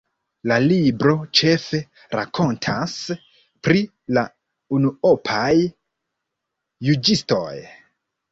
La libro ĉefe rakontas pri la unuopaj juĝistoj.